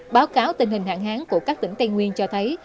báo cáo tình hình hạn hán của các tỉnh tây nguyên cho thấy